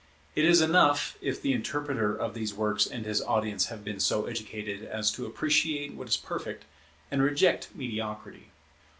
It is enough, if the interpreter of these works and his audience have been so educated as to appreciate what is perfect, and reject mediocrity.